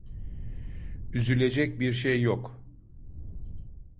Üzülecek bir şey yok.